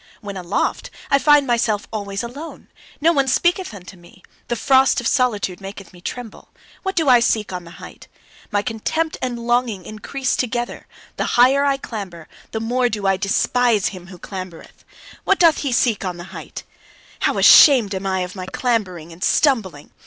When aloft, I find myself always alone. No one speaketh unto me; the frost of solitude maketh me tremble. What do I seek on the height? My contempt and my longing increase together; the higher I clamber, the more do I despise him who clambereth. What doth he seek on the height? How ashamed I am of my clambering and stumbling!